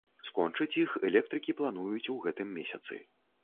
Скончыць іх электрыкі плануюць у гэтым месяцы.